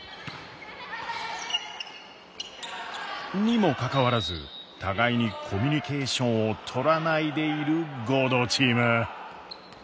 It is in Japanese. にもかかわらず互いにコミュニケーションをとらないでいる合同チーム。